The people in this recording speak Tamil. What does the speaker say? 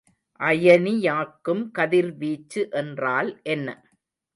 அயனியாக்கும் கதிர்வீச்சு என்றால் என்ன?